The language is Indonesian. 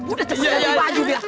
udah cepet ganti baju dia